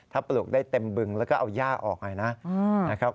ถ้าปลูกได้เต็มบึงแล้วก็เอาย่าออกไงนะครับ